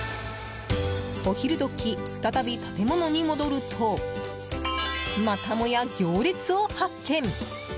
お昼時、再び建物に戻るとまたもや行列を発見。